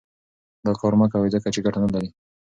دا کار مه کوئ ځکه چې ګټه نه لري.